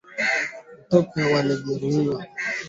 Ethiopia yakosoa matamshi ya Tedros kuhusu mzozo wa Tigray